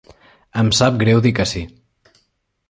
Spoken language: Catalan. Em sap greu dir que sí.